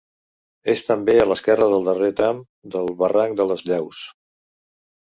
És també a l'esquerra del darrer tram del barranc de les Llaus.